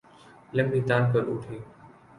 لمبی تان کر اُٹھی